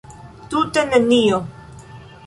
Tute nenio!